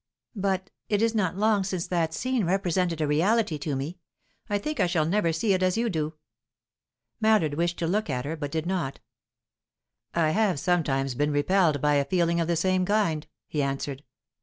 "But it is not long since that scene represented a reality to me. I think I shall never see it as you do." Mallard wished to look at her, but did not. "I have sometimes been repelled by a feeling of the same kind," he answered.